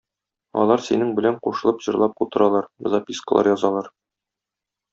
Алар синең белән кушылып җырлап утыралар, запискалар язалар.